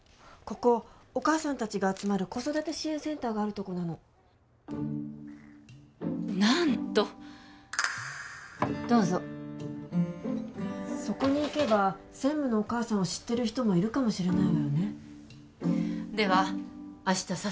ここお母さん達が集まる子育て支援センターがあるとこなの何とどうぞそこに行けば専務のお母さんを知ってる人もいるかもしれないわよねでは明日